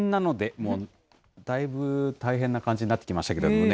もうだいぶ大変な感じになってきましたけれどもね。